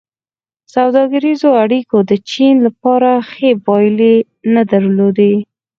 سوداګریزو اړیکو د چین لپاره ښې پایلې نه درلودې.